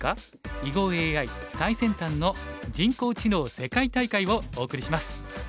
囲碁ＡＩ最先端の人工知能世界大会」をお送りします。